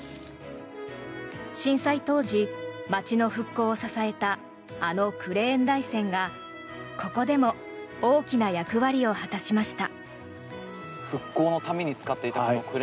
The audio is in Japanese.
震災当時、街の復興を支えたあのクレーン台船がここでも大きな役割を果たしました。